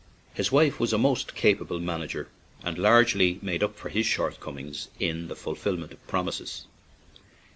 His wife was a most capable manager, and largely made up for his shortcomings in the fulfilment of promises.